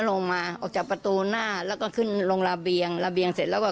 ลงมาออกจากประตูหน้าแล้วก็ขึ้นลงระเบียงระเบียงเสร็จแล้วก็